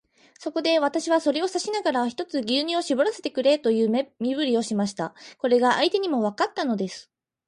そこで、私はそれを指さしながら、ひとつ牛乳をしぼらせてくれという身振りをしました。これが相手にもわかったのです。